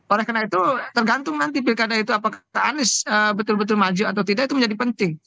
oleh karena itu tergantung nanti pilkada itu apakah anies betul betul maju atau tidak itu menjadi penting